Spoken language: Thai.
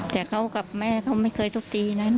แต่เขากับแม่เขาไม่เคยทุบตีนะ